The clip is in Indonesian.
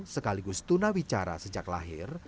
sekaligus tunar wicara sejak lahir